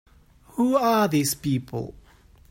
Who are these people?